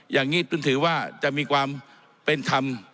อย่างนี้เพิ่งถือว่าจะมีความเป็นธรรม